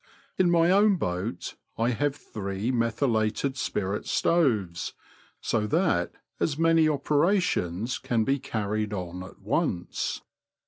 In my own boat I have three methylated spirit stoves, so that as many operations can be carried on at once.